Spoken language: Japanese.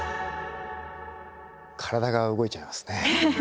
体が動いちゃいますね。